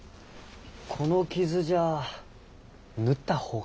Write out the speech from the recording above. この傷じゃ縫ったほうが。